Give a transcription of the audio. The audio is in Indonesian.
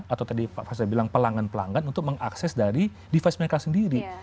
atau tadi pak faisal bilang pelanggan pelanggan untuk mengakses dari device mereka sendiri